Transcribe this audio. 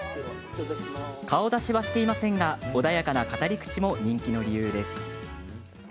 顔出しはしていませんが穏やかな語り口も人気の理由です。